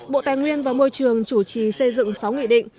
bộ tài nguyên và môi trường chủ trì xây dựng sáu nghị định